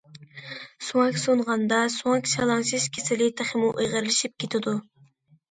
سۆڭەك سۇنغاندا سۆڭەك شالاڭلىشىش كېسىلى تېخىمۇ ئېغىرلىشىپ كېتىدۇ.